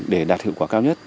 để đạt hiệu quả cao nhất